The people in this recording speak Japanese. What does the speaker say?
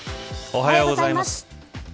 おはようございます。